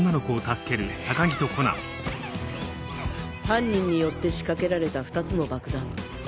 犯人によって仕掛けられた２つの爆弾